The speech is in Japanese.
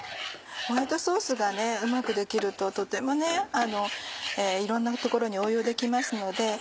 ホワイトソースがうまくできるととてもいろんなところに応用できますので。